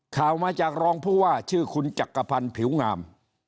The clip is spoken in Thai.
ข่าวมาจากรองผู้ว่าชื่อคุณจักรพันธ์ผิวงาม